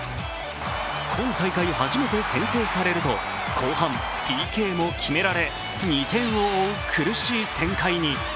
今大会、初めて先制されると、後半、ＰＫも決められ２点を追う苦しい展開に。